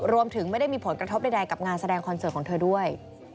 ไม่ได้มีผลกระทบใดกับงานแสดงคอนเสิร์ตของเธอด้วย